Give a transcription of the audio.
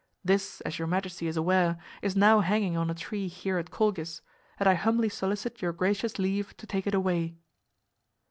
This, as your majesty is aware, is now hanging on a tree here at Colchis; and I humbly solicit your gracious leave to take it away."